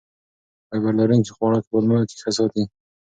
فایبر لرونکي خواړه کولمې ښه ساتي.